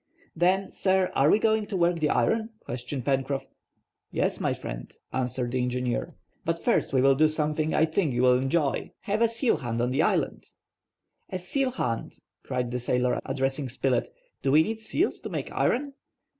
"Then, sir, are we going to work the iron?" questioned Pencroff. "Yes, my friend," answered the engineer. "But first we will do something I think you will enjoy—have a seal hunt on the island." "A seal hunt!" cried the sailor, addressing Spilett "Do we need seals to make iron?"